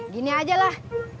gini aja lah delapan puluh lima